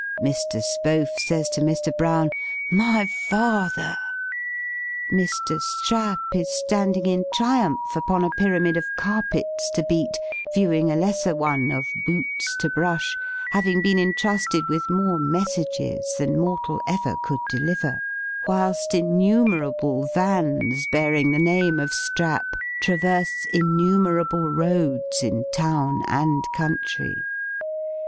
Mr. Spohf says to Mr. Brown, "my father!" Mr. Strap is standing in triumph upon a pyramid of "carpets to beat," viewing a lesser one of "boots to brush;" having been entrusted with more "messages" than mortal ever could "deliver;" whilst innumerable vans, bearing the name of Strap, traverse innumerable roads in "Town and Country."